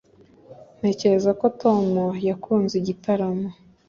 Ntekereza ko Tom yakunze igitaramo